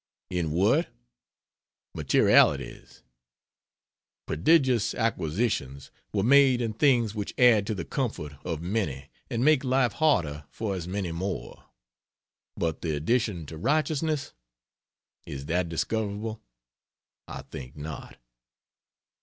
In what? Materialities. Prodigious acquisitions were made in things which add to the comfort of many and make life harder for as many more. But the addition to righteousness? Is that discoverable? I think not.